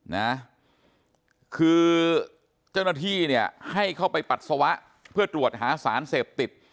นะคือเจ้าหน้าที่เนี่ยให้เข้าไปปัสสาวะเพื่อตรวจหาสารเสพติด